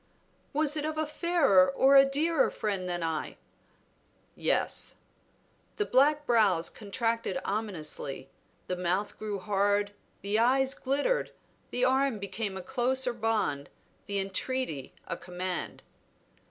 "Was it of a fairer or a dearer friend than I?" "Yes." The black brows contracted ominously, the mouth grew hard, the eyes glittered, the arm became a closer bond, the entreaty a command.